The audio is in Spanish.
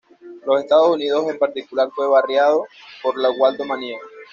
Los Estados Unidos, en particular, fue barrido por la "Waldo-manía".